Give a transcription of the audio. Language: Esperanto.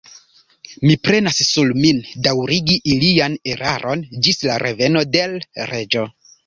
Mi prenas sur min, daŭrigi ilian eraron ĝis la reveno de l' Reĝo.